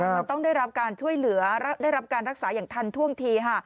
มันต้องได้รับการช่วยเหลือได้รับการรักษาอย่างทันท่วงทีค่ะ